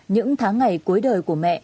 những tháng ngày cuối đời của mẹ